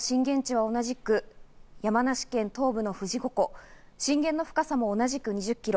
この時も震源地は同じく山梨県東部の富士五湖、震源の深さも同じく２０ｋｍ。